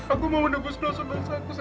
aku mau menembus dosa dosa aku sama mereka